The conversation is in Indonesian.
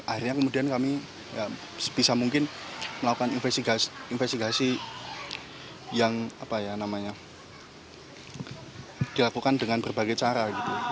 akhirnya kemudian kami sebisa mungkin melakukan investigasi yang dilakukan dengan berbagai cara